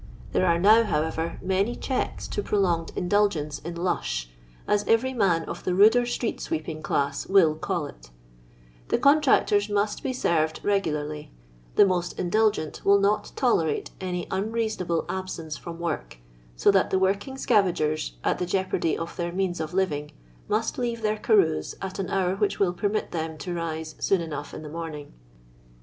There are now, however, many checks to prolonged indulgence in " lush," as every man of the ruder street sweep ing class mil call it The contractors must be served regularly; the most indulgent will not tolerate any unreasonable absence from work, so that the working scavagers, at the jeopardy of their means of living, must leave their carouse at an hour which will permit thein to rise soon enough in the morning.